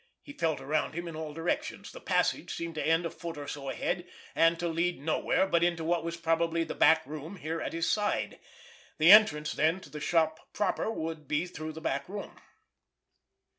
He felt around him in all directions. The passage seemed to end a foot or so ahead, and to lead nowhere but into what was probably the back room here at his side. The entrance, then, to the shop proper would be through the back room.